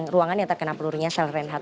ruangan yang terkena peluru nyasar rehat